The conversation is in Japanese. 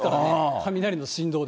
雷の振動で。